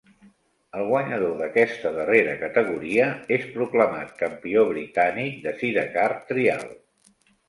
El guanyador d'aquesta darrera categoria és proclamat Campió britànic de Sidecar Trial.